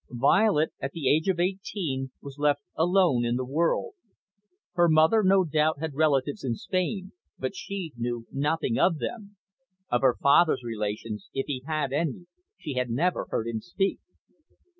Violet, at the age of eighteen, was left alone in the world. Her mother, no doubt, had relatives in Spain, but she knew nothing of them. Of her father's relations, if he had any, she had never heard him speak.